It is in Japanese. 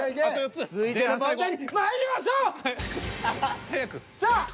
続いての問題にまいりましょう！